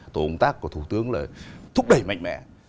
tổ công tác của thủ tướng là thúc đẩy mạnh mẽ